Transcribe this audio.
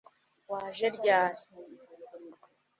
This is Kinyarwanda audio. Waje ryari